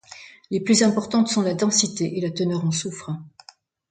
Les plus importantes sont la densité et la teneur en soufre.